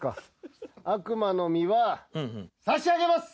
悪魔の実は差し上げます！